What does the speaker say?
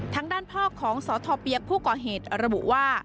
ทางด้านพ่อของสทเปี๊ยกผู้ก่อเหตุระบุว่า